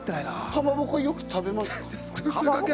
かまぼこ、よく食べますか？